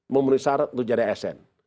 memenuhi syarat untuk jadi asn